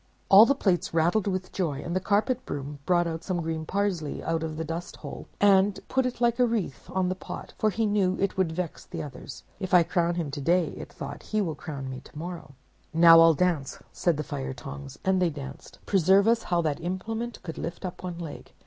"All the Plates rattled with joy, and the Carpet Broom brought some green parsley out of the dust hole, and put it like a wreath on the Pot, for he knew that it would vex the others. 'If I crown him to day,' it thought, 'he will crown me tomorrow.' "'Now I'll dance,' said the Fire Tongs; and they danced. Preserve us! how that implement could lift up one leg!